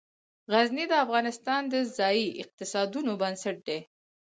غزني د افغانستان د ځایي اقتصادونو بنسټ دی.